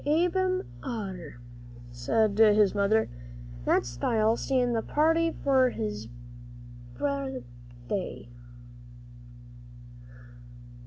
"Ab'm oughter," said his mother; "that's style, seein' th' party's fer his birthday."